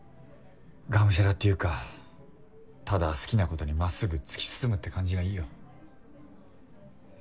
がむしゃらっていうかただ好きなことにまっすぐ突き進むって感じがいいよ。